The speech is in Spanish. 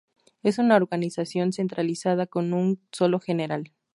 Es una organización centralizada con un solo general.